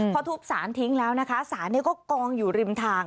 พอทุบสารทิ้งแล้วนะคะสารก็กองอยู่ริมทาง